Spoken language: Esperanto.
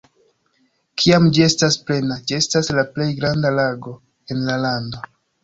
Kiam ĝi estas plena, ĝi estas la plej granda lago en la lando.